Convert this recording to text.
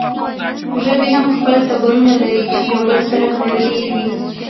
ژبې هم خپل ټبرونه لري چې يو بل سره تړلې وي